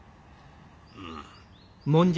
うん。